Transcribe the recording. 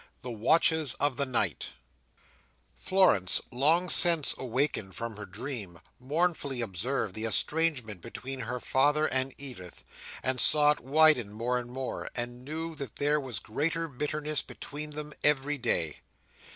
The Watches of the Night Florence, long since awakened from her dream, mournfully observed the estrangement between her father and Edith, and saw it widen more and more, and knew that there was greater bitterness between them every day.